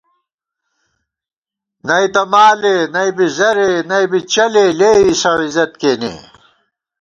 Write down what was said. نئ تہ مالے نئ بی زَرے نئ بی چَلے لېئیسہ عِزت کېنے